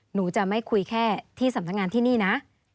หนูจะไม่คุยแค่ที่สำนักงานที่นี่นะ